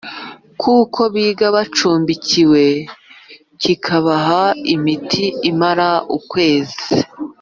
kuko biga bacumbikiwe kibaha imiti imara ukwezi